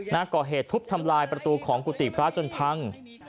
ก่อเหตุทุบทำลายประตูของกุฏิพระจนพัง